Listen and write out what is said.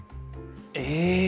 え！